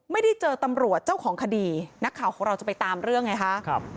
ไม่ได้เจอตำรวจเจ้าของคดีนักข่าวของเราจะไปตามเรื่องไงคะ